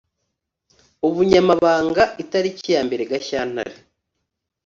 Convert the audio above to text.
Ubunyamabanga itariki ya mbere Gashyantare